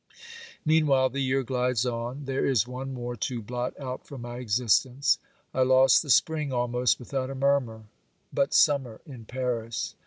Meanwhile the year glides on : there is one more to blot out from my existence. I lost the spring almost without a murmur — but summer in Paris